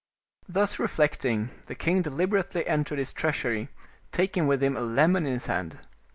'* Thus reflecting, the king deliberately entered his treasury, taking with him a lemon in his hand.